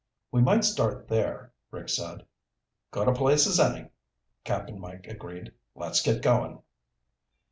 "We might start there," Rick said. "Good a place as any," Cap'n Mike agreed. "Let's get going."